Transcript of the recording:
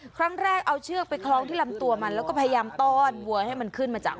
ครั้งแรกเอาเชือกไปคล้องที่ลำตัวมันแล้วก็พยายามต้อนวัวให้มันขึ้นมาจาก